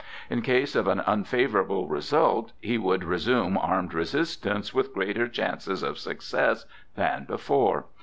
In case of an unfavorable result, he would resume armed resistance with greater chances of success than before.